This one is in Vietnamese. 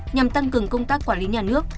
nhằm tăng cường công tác quản lý nhà nước